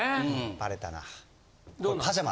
バレたな。